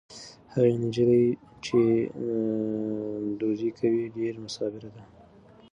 هغه نجلۍ چې دوزي کوي ډېره صابره ده.